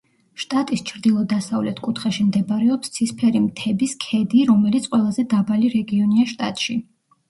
შტატის ჩრდილო დასავლეთ კუთხეში მდებარეობს ცისფერი მთების ქედი რომელიც ყველაზე დაბალი რეგიონია შტატში.